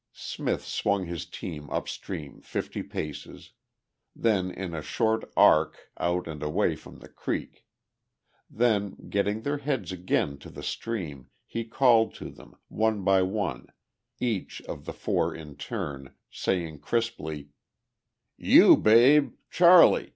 Smith swung his team upstream fifty paces, then in a short arc out and away from the creek; then, getting their heads again to the stream he called to them, one by one, each of the four in turn, saying crisply: "You, Babe! Charlie!